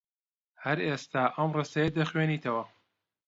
هەر ئێستا ئەم ڕستەیە دەخوێنیتەوە.